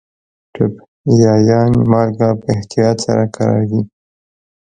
ټبیايان مالګه په احتیاط سره کاروي.